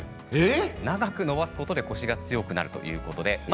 長く伸ばすことでコシが強くなるということです。